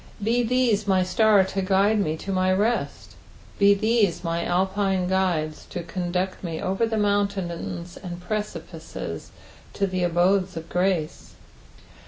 Be these my star to guide mo to my rest. Be these my Alpine guides to conduct me over mountains and precipices to the abodes of grace.